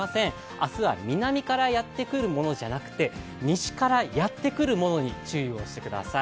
明日は南からやってくるものじゃなくて西からやってくるものに注意をしてください。